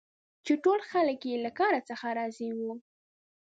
چي ټول خلک یې له کار څخه راضي وه.